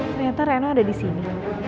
ternyata reno ada di sini